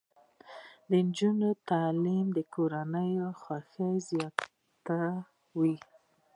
د نجونو تعلیم د کورنۍ خوښۍ زیاتوي.